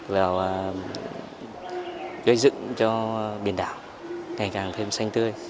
và gây dựng cho biển đảo ngày càng thêm xanh tươi